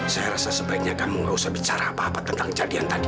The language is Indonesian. saya rasa sebaiknya kamu gak usah bicara apa apa tentang kejadian tadi